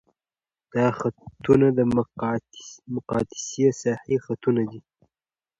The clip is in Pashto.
دا خطونه د مقناطیسي ساحې خطونه دي.